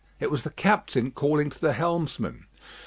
It was the captain calling to the helmsman.